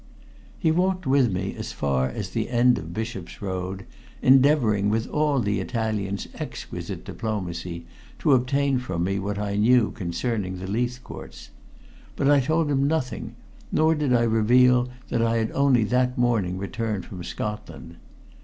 He walked with me as far as the end of Bishop's Road, endeavoring with all the Italian's exquisite diplomacy to obtain from me what I knew concerning the Leithcourts. But I told him nothing, nor did I reveal that I had only that morning returned from Scotland.